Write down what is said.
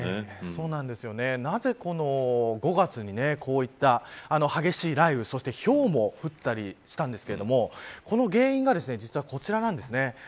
なぜこの５月にこういった激しい雷雨そして、ひょうも降ったりしたんですけれどもこの原因が実はこちらなんです。